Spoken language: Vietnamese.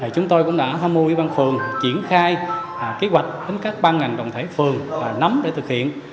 chúng tôi cũng đã tham mưu với bang phường triển khai kế hoạch đến các bang ngành đồng thể phường nắm để thực hiện